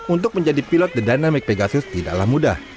untuk menjadi pilot the dynamic pegasus tidaklah mudah